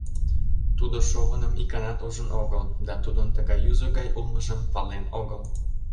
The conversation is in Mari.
Тудо шовыным иканат ужын огыл да тудын тыгай юзо гай улмыжым пален огыл.